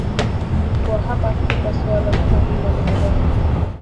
kwa hapa afrika suala kama hilo unadhani